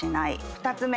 ２つ目。